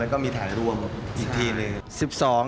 แล้วก็มีถ่ายรวมอีกทีหนึ่ง